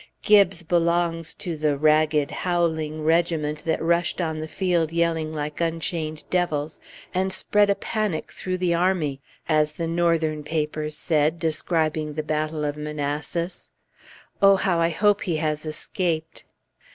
Gibbes belongs to the "ragged howling regiment that rushed on the field yelling like unchained devils and spread a panic through the army," as the Northern papers said, describing the battle of Manassas. Oh, how I hope he has escaped!